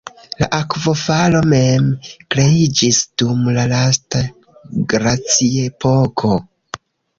La akvofalo mem kreiĝis dum la lasta glaciepoko.